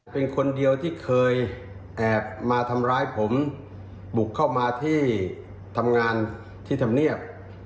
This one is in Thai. เป็นคนเดียวที่เคยแอบมาทำร้ายผมบุกเข้ามาที่ทำงานที่ธรรมเนียบ